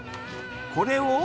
これを。